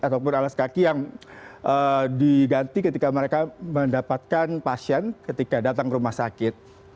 ataupun alas kaki yang diganti ketika mereka mendapatkan pasien ketika datang ke rumah sakit